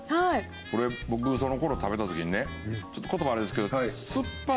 これ僕その頃食べた時にねちょっと言葉悪いんですけど酸っぱさって